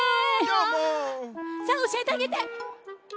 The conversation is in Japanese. さあおしえてあげて！